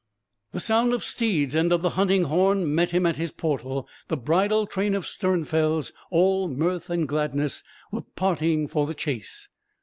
The sound of steeds and of the hunting horn met him at his portal; the bridal train of Sternfels, all mirth and gladness, were parting for the chase.